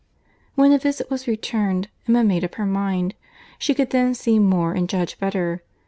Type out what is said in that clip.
When the visit was returned, Emma made up her mind. She could then see more and judge better.